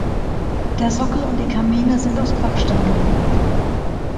Der Sockel und die Kamine sind aus Backstein gemauert.